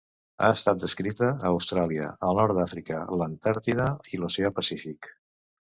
Ha estat descrita a Austràlia, el nord d'Àfrica, l'Antàrtida i l'oceà Pacífic.